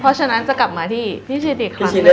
เพราะฉะนั้นจะกลับมาที่พี่ชิดอีกครั้งหนึ่ง